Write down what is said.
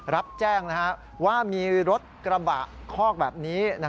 รับแจ้งว่ามีรถกระบะคอกแบบนี้